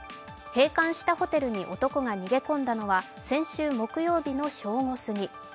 閉館したホテルに男が逃げ込んだのは先週木曜日の正午過ぎ。